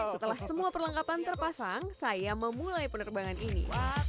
setelah semua perlengkapan terpasang saya memulai penerbangan ini